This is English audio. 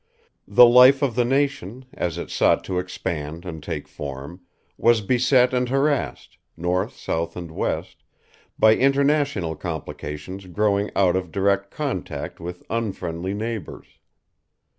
The life of the nation, as it sought to expand and take form, was beset and harassed, north, south, and west, by international complications growing out of direct contact with unfriendly neighbors.